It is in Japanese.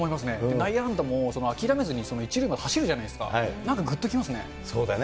内野安打も諦めずに１塁まで走るじゃないですか、なんか、ぐっとそうだよね。